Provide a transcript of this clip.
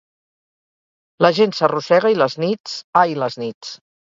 La gent s’arrossega i les nits… ai, les nits.